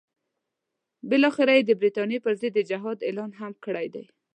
بالاخره یې د برټانیې پر ضد د جهاد اعلان هم کړی دی.